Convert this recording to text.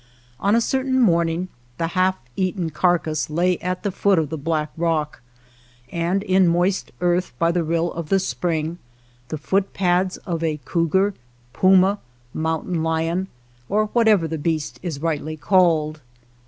On a certain morning the half eaten carcass lay at the foot of the black rock, and in moist earth by the rill of the spring, the foot pads of a cougar, puma, mountain lion, or whatever the beast is .rightly called.